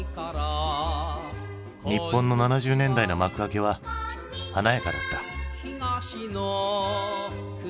日本の７０年代の幕開けは華やかだった。